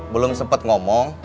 belum sempet ngomong